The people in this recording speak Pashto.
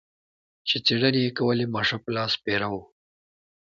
چې څېړنې یې کولې ماشه په لاس پیره و.